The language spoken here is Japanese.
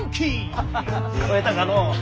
アハハ聞こえたかのう？